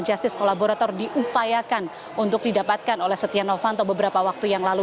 justice kolaborator diupayakan untuk didapatkan oleh setia novanto beberapa waktu yang lalu